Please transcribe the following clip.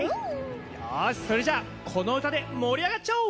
よしそれじゃあこのうたでもりあがっちゃおう！